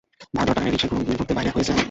ভাড়া দেওয়ার টাকা নাই, রিকশায় ঘুরতে বাইর হইছে।